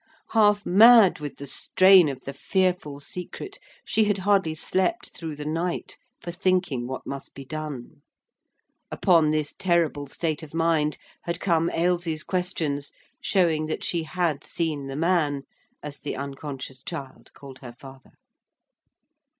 Half mad with the strain of the fearful secret, she had hardly slept through the night for thinking what must be done. Upon this terrible state of mind had come Ailsie's questions, showing that she had seen the Man, as the unconscious child called her father.